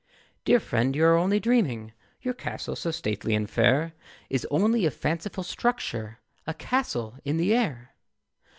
Dear friend, you are only dreaming, Your castle so stately and fair Is only a fanciful structure, A castle in the air.